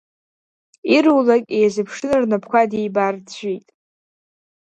Ирулакь еизыԥшны рнапқәа дибарӡәӡәеит.